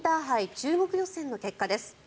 中国予選の結果です。